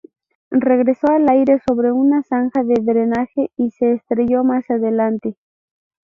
Regresó al aire sobre una zanja de drenaje y se estrelló más adelante.